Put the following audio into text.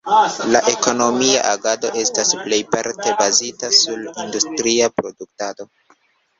La ekonomia agado estas plejparte bazita sur industria produktado.